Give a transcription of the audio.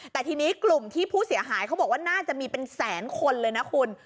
แต่ทีนี้กลุ่มที่ผู้เสียหายเขาบอกว่าน่าจะมีเป็นแสนคนเลยนะคุณ